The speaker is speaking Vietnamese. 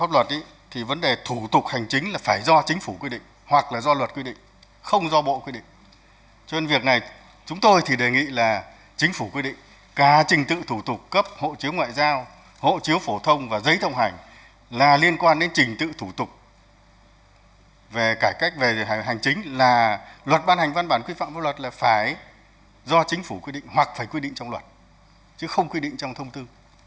liên quan đến trình tự thủ tục cấp giấy thông hành là liên quan đến trình tự thủ tục về cải cách về hành chính là luật ban hành văn bản quyết phạm vô luật là phải do chính phủ quyết định hoặc phải quyết định trong luật chứ không quyết định trong thông tư